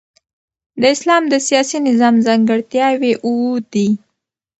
د اسلام د سیاسي نظام ځانګړتیاوي اووه دي.